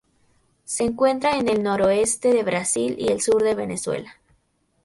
Se encuentra en el noroeste de Brasil y el sur de Venezuela.